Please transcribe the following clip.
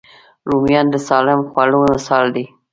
رومیان د سالم خوړو مثال دی